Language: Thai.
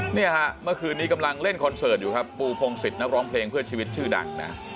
เนี่ยฮะเมื่อคืนนี้กำลังเล่นคอนเสิร์ตอยู่ครับปูพงศิษย์นักร้องเพลงเพื่อชีวิตชื่อดังนะ